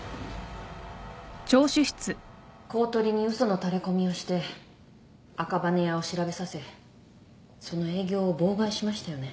公取に嘘のタレコミをして赤羽屋を調べさせその営業を妨害しましたよね？